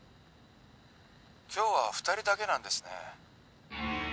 今日は二人だけなんですね